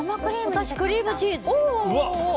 私、クリームチーズ。